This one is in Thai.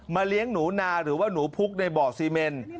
เลี้ยงหนูนาหรือว่าหนูพุกในบ่อซีเมน